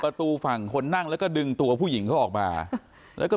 ประตูฝั่งคนนั่งแล้วก็ดึงตัวผู้หญิงเขาออกมาแล้วก็